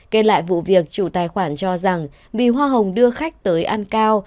kê lại vụ việc chủ tài khoản cho rằng vì hoa hồng đưa khách tới ăn cao